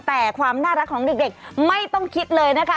แต่ความน่ารักของเด็กไม่ต้องคิดเลยนะคะ